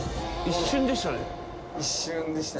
一瞬でしたね。